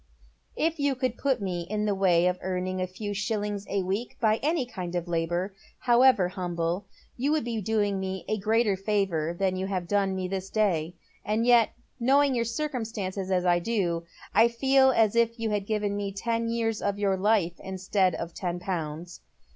« If you could put me in the way of earning a few shillings a week by any kind of labour, however humble, you would be doing me even a greater favour than you have done me this day ; and yet, knowing your circumstances as I do, I feel as if you had given me ten years of your life instead of ten pounds.